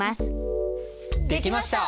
できました！